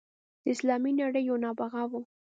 د اسلامي نړۍ یو نابغه وو.